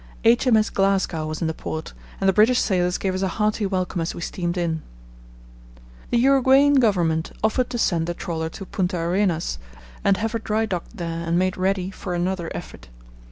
H.M.S. Glasgow was in the port, and the British sailors gave us a hearty welcome as we steamed in. The Uruguayan Government offered to send the trawler to Punta Arenas and have her dry docked there and made ready for another effort.